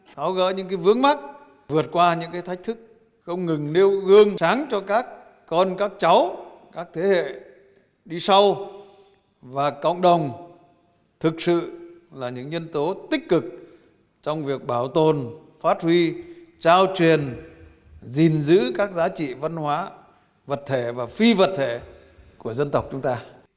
tháo gỡ những vướng mắt vượt qua những thách thức không ngừng nêu gương sáng cho các con các cháu các thế hệ đi sau và cộng đồng thực sự là những nhân tố tích cực trong việc bảo tồn phát huy trao truyền gìn giữ các giá trị văn hóa vật thể và phi vật thể của dân tộc chúng ta